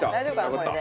これで。